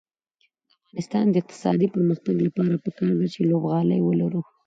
د افغانستان د اقتصادي پرمختګ لپاره پکار ده چې لوبغالي ولرو.